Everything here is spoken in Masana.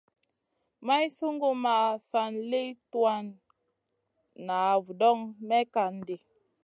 Maï sungu ma nan sli tuwan na vudoŋ may kan ɗi.